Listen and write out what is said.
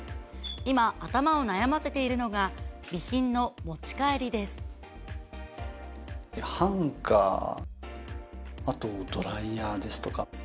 今、頭を悩ませているのが、ハンガー、あとドライヤーですとか。